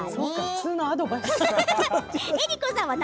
江里子さんは？